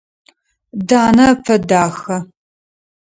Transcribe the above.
Данэ ыпэ дахэ.